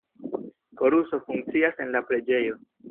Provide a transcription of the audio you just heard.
Koruso funkcias en la preĝejo.